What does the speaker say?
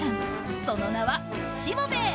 その名は「しもべえ」！